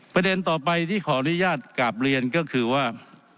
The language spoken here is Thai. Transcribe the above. ประเด็นต่อไปที่ขออนุญาตกราบเรียนก็คือว่า